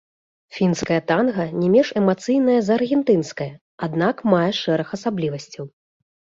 Фінскае танга не менш эмацыйнае за аргентынскае, аднак мае шэраг асаблівасцяў.